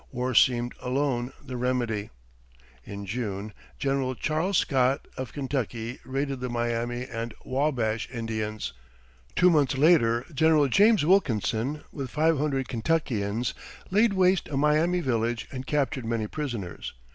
War seemed alone the remedy. In June, General Charles Scott, of Kentucky, raided the Miami and Wabash Indians. Two months later General James Wilkinson, with five hundred Kentuckians, laid waste a Miami village and captured many prisoners.